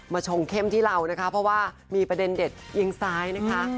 ชงเข้มที่เรานะคะเพราะว่ามีประเด็นเด็ดเอียงซ้ายนะคะ